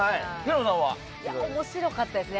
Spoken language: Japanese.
面白かったですね。